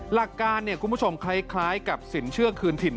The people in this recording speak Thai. หลักการคุณผู้ชมคล้ายกับสินเชื่อคืนถิ่น